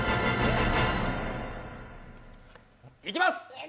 いきます。